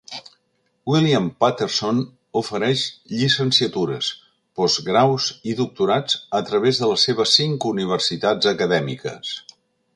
William Paterson ofereix llicenciatures, postgraus i doctorats a través de les seves cinc universitats acadèmiques.